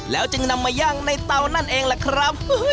แล้วจึงนำมายั่งในเตานั่นเองแหละครับ